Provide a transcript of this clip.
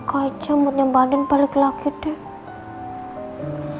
semoga aja mood nyembang adin balik lagi ultimate